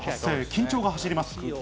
緊張が走ります。